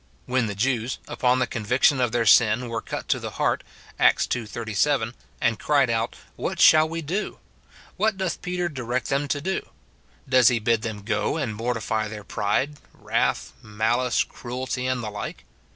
When the Jews, upon the conviction of their sin, were cut to the heart. Acts ii. 37, and cried out, "What shall we do ?" what doth Peter direct them to do ? Does SIN IN BELIEVERS. 205 he bid them go and mortify their pride, wrath, malice, cruelty, and the like